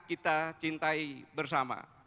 kita cintai bersama